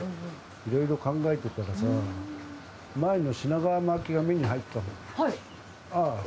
いろいろ考えてたらさ、前の品川巻きが目に入ったの。